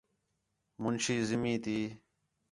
مُنشی زمین تی